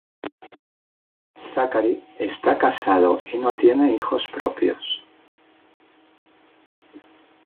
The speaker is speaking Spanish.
Zachary está casado, y no tiene hijos propios.